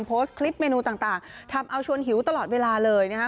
โพสต์คลิปเมนูต่างทำเอาชวนหิวตลอดเวลาเลยนะคะ